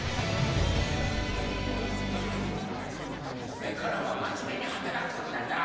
これからはマジメに働くんだぞ！